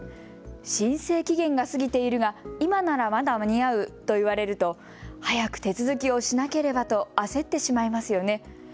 申請期限が過ぎているが今ならまだ間に合うと言われると早く手続きをしなければと焦ってしまいますよね。